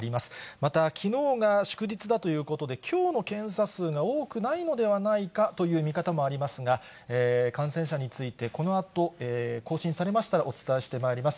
またきのうが祝日だということで、きょうの検査数が多くないのではないかという見方もありますが、感染者について、このあと更新されましたらお伝えしてまいります。